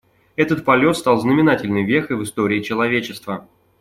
Этот полет стал знаменательной вехой в истории человечества.